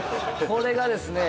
これがですね